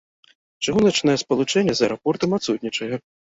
Чыгуначнае спалучэнне з аэрапортам адсутнічае.